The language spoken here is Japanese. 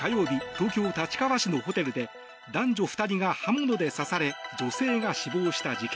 東京・立川市のホテルで男女２人が刃物で刺され女性が死亡した事件。